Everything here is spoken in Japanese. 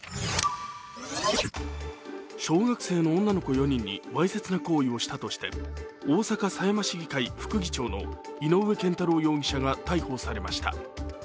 小学生の女の子４人にわいせつな行為をしたとして、大阪狭山市議会副議長の井上健太郎容疑者が逮捕されました。